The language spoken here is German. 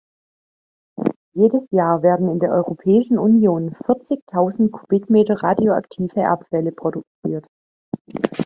Jedes Jahr werden in der Europäischen Union vierzigtausend Kubikmeter radioaktive Abfälle produziert.